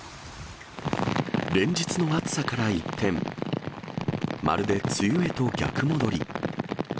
連日の暑さから一転、まるで梅雨へと逆戻り。